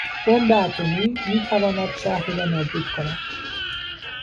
بمب اتمی میتواند شهری را نابود کند.